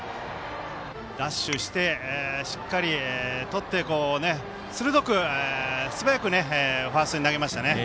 ダッシュしてしっかりとって鋭く、素早くファーストに投げました。